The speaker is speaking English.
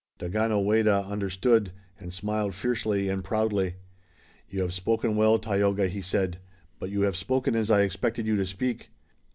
Daganoweda understood, and smiled fiercely and proudly. "You have spoken well, Tayoga," he said, "but you have spoken as I expected you to speak.